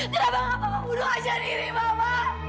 kenapa papa tak bunuh aja riri papa